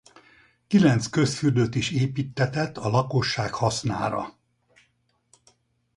Kilenc közfürdőt is építtetett a lakosság hasznára.